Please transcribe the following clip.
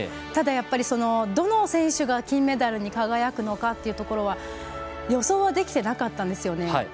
ただ、どの選手が金メダルに輝くのかというところは予想はできてなかったんですよね。